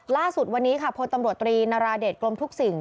ล่าสุดวันนี้ค่ะพลตำรวจตรีนาราเดชกรมทุกสิ่ง